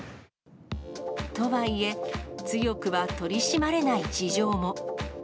とはいえ、強くは取り締まれない事情も。